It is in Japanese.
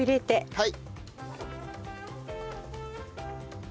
はい。